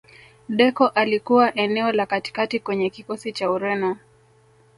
deco alikuwa eneo la katikati kwenye kikosi cha ureno